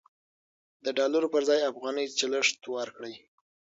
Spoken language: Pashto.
د ډالرو پر ځای افغانۍ چلښت ورکړئ.